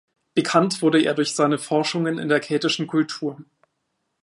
Bekannt wurde er durch seine Forschungen in der keltischen Kultur.